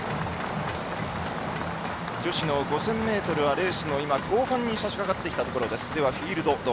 女子の５０００ｍはレースの後半にさしかかっているところです。